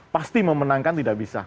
pasti memenangkan tidak bisa